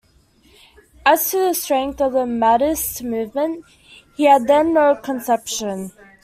As to the strength of the Mahdist movement he had then no conception.